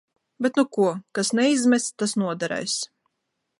Bet nu ko, kas neizmests, tas noderēs.